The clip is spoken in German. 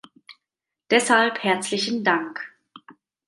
Deshalb herzlichen Dank!